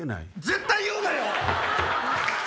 絶対言うな！